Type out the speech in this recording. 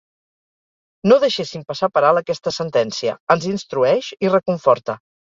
No deixéssim passar per alt aquesta sentència: ens instrueix i reconforta.